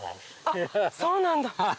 あっそうなんだ。